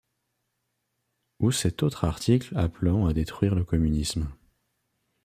Ou cet autre article appelant à détruire le communisme.